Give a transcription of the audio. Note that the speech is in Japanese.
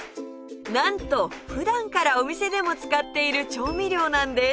なんと普段からお店でも使っている調味料なんです